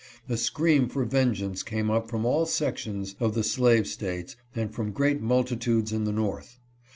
A scream for vengeance came up from all sections of the slave States and from great multitudes in the North.